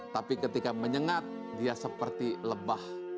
tapi ketika menyengat dia seperti lebah